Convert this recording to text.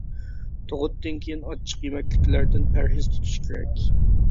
تۇغۇتتىن كېيىن ئاچچىق يېمەكلىكلەردىن پەرھىز تۇتۇش كېرەك.